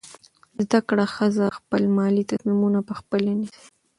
زده کړه ښځه خپل مالي تصمیمونه پخپله نیسي.